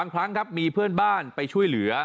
ครั้งครับมีเพื่อนบ้านไปช่วยเหลือ